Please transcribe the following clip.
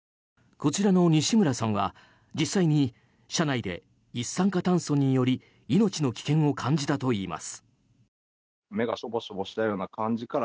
こちらの西村さんは実際に車内で一酸化炭素により命の危険を感じたといいます。